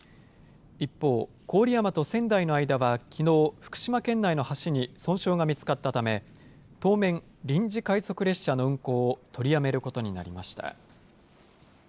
一方、郡山と仙台の間はきのう、福島県内の橋に損傷が見つかったため、当面、臨時快速列車の運行を取りやめることになりました。